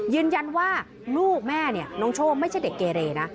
ยืนยันว่าลูกแม่เนี่ยน้องโชคไม่ใช่เด็กเกเรนะ